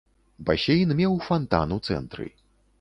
Басейн меў фантан у цэнтры.